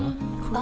あ！